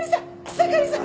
草刈さん！